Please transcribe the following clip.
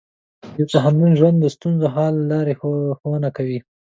د پوهنتون ژوند د ستونزو حل لارې ښوونه کوي.